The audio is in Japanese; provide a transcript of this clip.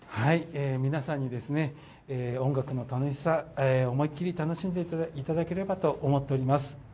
皆さんに音楽の楽しさ、思い切って楽しんでいただければと思ってています。